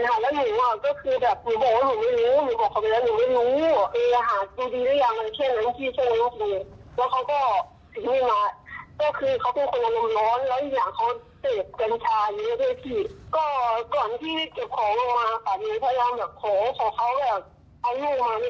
นี่แหละครับ